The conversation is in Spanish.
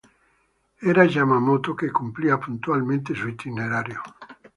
Era Yamamoto que cumplía puntualmente su itinerario.